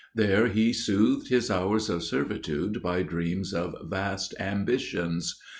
There he soothed his hours of servitude by dreams of vast ambitions.